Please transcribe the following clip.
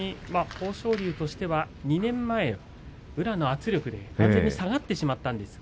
豊昇龍としては２年前宇良の圧力に逆に下がってしまったんです。